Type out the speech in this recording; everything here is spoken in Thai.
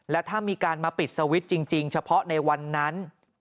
และถ้ามีการมาปิดสวิตช์จริงเฉพาะในวันนั้น